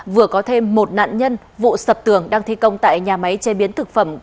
vừa có thêm một nạn nhân vụ sập tường đang thi công tại nhà máy chế biến thực phẩm